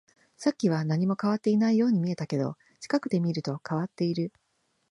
さっきは何も変わっていないように見えたけど、近くで見ると変わっている